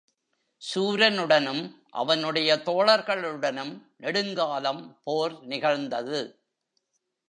சூரனுடனும், அவனுடைய தோழர்களுடனும் நெடுங்காலம் போர் நிகழ்ந்தது.